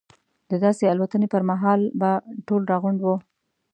د داسې الوتنې پر مهال به ټول راغونډ وو.